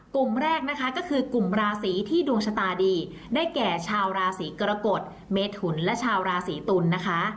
กลุ่มแรกนะคะก็คือกลุ่มราศีที่ดวงชะตาดีได้แก่ชาวราศีกรกฎเมถุนและชาวราศีตุลนะคะ